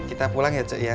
kita pulang ya cek ya